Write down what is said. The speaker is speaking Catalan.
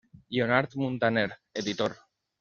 Lleonard Muntaner, editor.